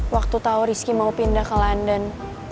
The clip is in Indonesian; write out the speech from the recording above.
waktu tahu rizky mau pindah ke london